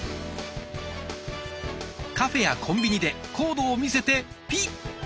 カフェやコンビニでコードを見せてピッ！